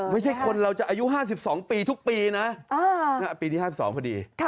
ไม่ใช่คนเราจะอายุ๕๒ปีทุกปีนะปีที่๕๒พอดี